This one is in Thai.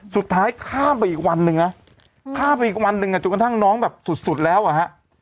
ข้ามไปอีกวันหนึ่งนะข้ามไปอีกวันหนึ่งอ่ะจนกระทั่งน้องแบบสุดสุดแล้วอ่ะฮะ